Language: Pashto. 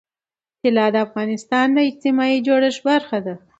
طلا د افغانستان د اجتماعي جوړښت برخه ده.